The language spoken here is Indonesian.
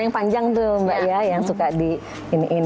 yang panjang tuh mbak ya yang suka di iniin